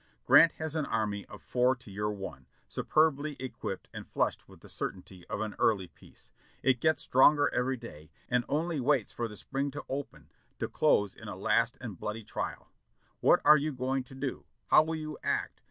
Grant has an army of four to your one, superbly equipped and flushed with the certainty of an early peace; it gets stronger every day, and only waits for the spring to open to close in a last and bloody trial. What are you going to do? How will you act?